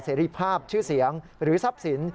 รีภาพชื่อเสียงหรือทรัพย์สิน